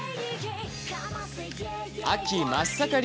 秋、真っ盛り。